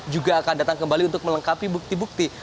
juga akan datang kembali untuk melengkapi bukti bukti